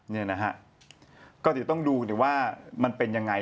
นี่นะฮะก็เดี๋ยวต้องดูว่ามันเป็นยังไง